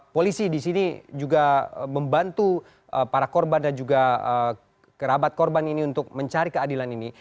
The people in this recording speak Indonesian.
polisi di sini juga membantu para korban dan juga kerabat korban ini untuk mencari keadilan ini